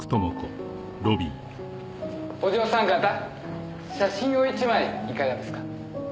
お嬢さん方写真を１枚いかがですか？